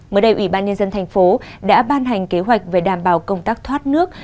mới đây ủy ban nhân dân thành phố đã ban hành kế hoạch về đảm bảo công tác thoát nước